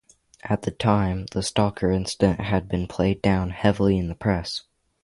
At the time, the stalker incident had been played down heavily in the press.